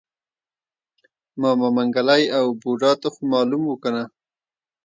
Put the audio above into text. ماما منګلی او بوډا ته خومالوم و کنه.